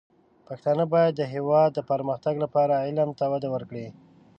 پښتانه بايد د هېواد د پرمختګ لپاره علم ته وده ورکړي.